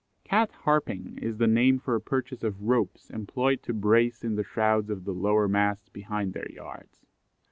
Cat harping is the name for a purchase of ropes employed to brace in the shrouds of the lower masts behind their yards.